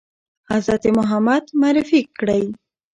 حضرت محمد معرفي کړی ؟